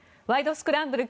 スクランブル」